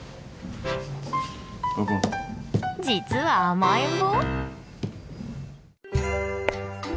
実は甘えん坊？